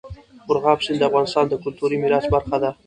مورغاب سیند د افغانستان د کلتوري میراث برخه ده.